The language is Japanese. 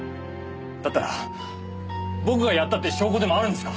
だったら僕がやったって証拠でもあるんですか？